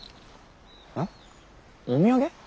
えっお土産？